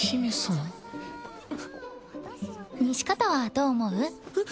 西片はどう思う？